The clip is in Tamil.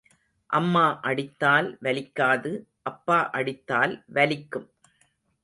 அம்மா அடித்தால் வலிக்காது அப்பா அடித்தால் வலிக்கும்.